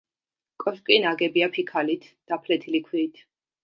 კოშკი ნაგებია ფიქალით და ფლეთილი ქვით.